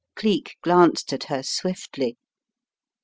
Cleek glanced at her swiftly.